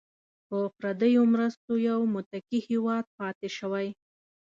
په پردیو مرستو یو متکي هیواد پاتې شوی.